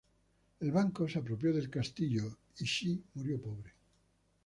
El banco se apropió del castillo y Shea murió pobre.